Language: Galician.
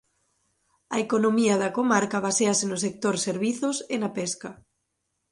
A economía da comarca basease no sector servizos e na pesca.